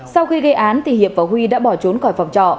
sau khi gây án thì hiệp và huy đã bỏ trốn khỏi phòng trọ